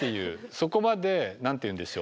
そこまで何て言うんでしょう